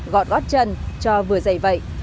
gọt gót chân cho vừa dày vậy